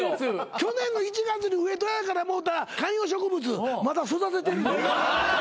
去年の１月に上戸彩からもろうた観葉植物まだ育ててる。